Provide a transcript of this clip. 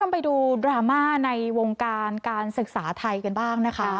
ไปดูดราม่าในวงการการศึกษาไทยกันบ้างนะคะ